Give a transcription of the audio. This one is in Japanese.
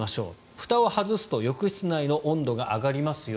ふたを外すと浴室内の温度が上がりますよ。